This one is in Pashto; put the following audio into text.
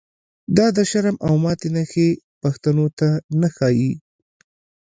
دا د شرم او ماتی نښی، پښتنو ته نه ښا ييږی